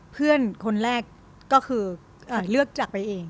เพื่อนคนแรกก็คือเลือกจักรไปเอง